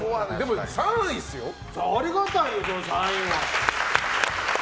ありがたいですよ、３位は。